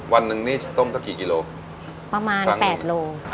วันหนึ่งนี่ต้มจะกี่กิโลกรัมประมาณแปดโลกรัม